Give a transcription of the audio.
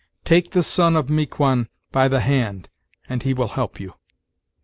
Take the son of Miquon by the hand, and he will help you."